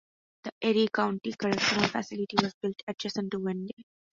The Erie County Correctional Facility was built adjacent to Wende.